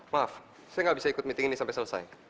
maaf saya nggak bisa ikut meeting ini sampai selesai